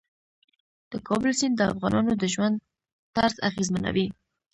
د کابل سیند د افغانانو د ژوند طرز اغېزمنوي.